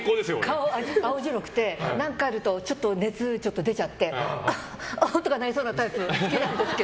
顔、青白くて何かあると熱が出ちゃってゴホッ、ゴホッってなりそうなタイプ好きなんです。